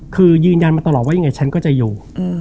คือยืนยันมาตลอดว่ายังไงฉันก็จะอยู่